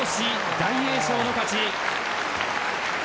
大栄翔の勝ち。